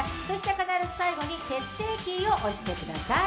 必ず最後に決定キーを押してください。